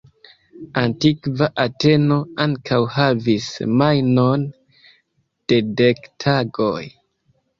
Antikva Ateno ankaŭ havis semajnon de dek tagoj.